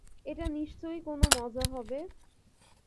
এটা নিশ্চয়ই কোনো মজা হবে!